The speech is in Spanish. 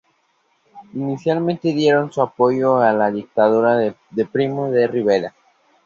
Inicialmente dieron su apoyo a la dictadura de Primo de Rivera.